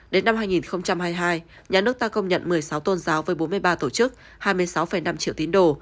đến năm hai nghìn hai mươi hai nhà nước ta công nhận một mươi sáu tôn giáo với bốn mươi ba tổ chức hai mươi sáu năm triệu tín đồ